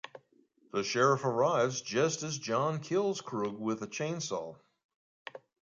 The sheriff arrives just as John kills Krug with a chainsaw.